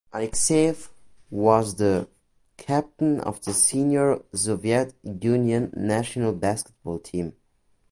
Alekseev was the captain of the senior Soviet Union national basketball team.